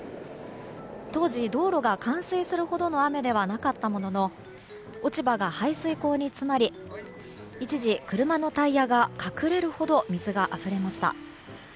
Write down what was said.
当時、道路が冠水するほどの雨ではなかったものの落ち葉が排水溝に詰まり一時、車のタイヤが隠れるほど水があふれました。